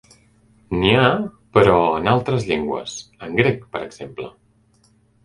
N'hi ha, però, en altres llengües, en grec, per exemple.